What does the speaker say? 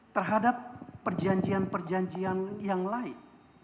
terhadap perjanjian perjanjian yang lain